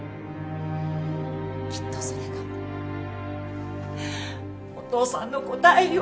きっとそれがお父さんの答えよ。